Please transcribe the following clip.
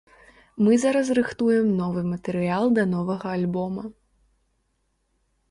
Мы зараз рыхтуем новы матэрыял да новага альбома.